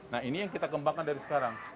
nah ini yang kita kembangkan dari sekarang